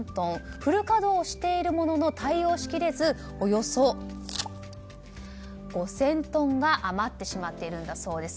フル稼働しているものの対応しきれずおよそ５０００トンが余ってしまっているそうです。